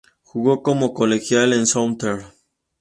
Jugo como colegial en Southern.